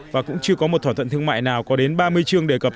và cũng chưa có một thỏa thuận thương mại nào có đến ba mươi chương đề cập